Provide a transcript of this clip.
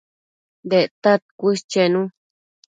Dectad cuës chenu